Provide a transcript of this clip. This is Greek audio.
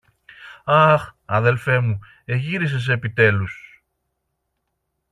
Αχ, αδελφέ μου, εγύρισες επιτέλους!